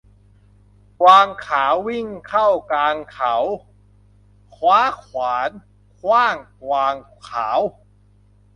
กวางขาววิ่งเข้ากลางเขา คว้าขวานขว้างกวางขาว